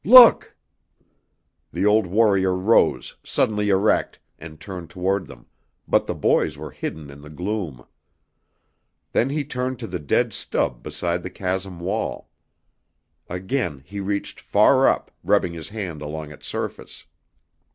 "Look!" The old warrior rose, suddenly erect, and turned toward them, but the boys were hidden in the gloom. Then he hurried to the dead stub beside the chasm wall. Again he reached far up, rubbing his hand along its surface.